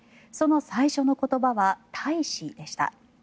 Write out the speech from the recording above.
その最初の言葉は「大志」でした。